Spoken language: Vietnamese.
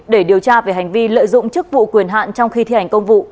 để điều tra về hành vi lợi dụng chức vụ quyền hạn trong khi thi hành công vụ